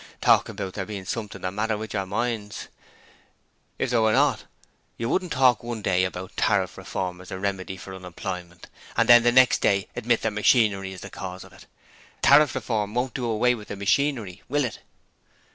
Talk about there being something the matter with your minds! If there were not, you wouldn't talk one day about Tariff Reform as a remedy for unemployment and then the next day admit that Machinery is the cause of it! Tariff Reform won't do away with the machinery, will it?'